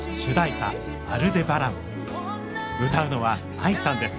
歌うのはＡＩさんです